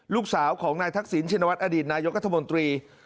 ลูกสาวของนายทักษิณชินวัฒนอดีตนายกัธมนตรี